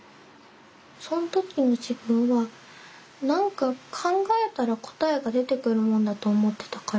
その時の自分は何か考えたら答えが出てくるものだと思ってたから。